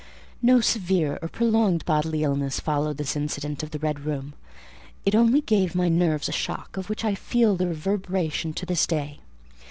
No severe or prolonged bodily illness followed this incident of the red room; it only gave my nerves a shock of which I feel the reverberation to this day.